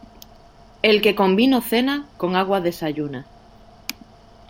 El que con vino cena, con agua desayuna.